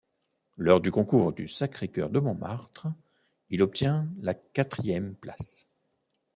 Lors du concours du Sacré-Cœur de Montmartre, il obtient la quatrième place.